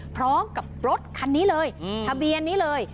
พร้อมกับรถคันนี้เลยทะเบียนนี้เลย